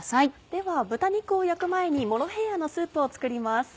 では豚肉を焼く前にモロヘイヤのスープを作ります。